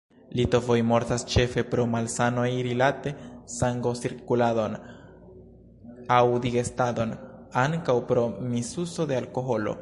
Litovoj mortas ĉefe pro malsanoj rilate sangocirkuladon aŭ digestadon; ankaŭ pro misuzo de alkoholo.